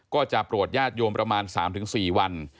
ก็จะโปรดญาติโยมประมาณ๓๔วัน